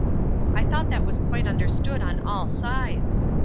I thought that was quite under stood on all sides.